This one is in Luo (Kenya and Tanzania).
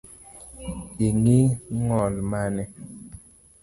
Ingi ng’ol mane?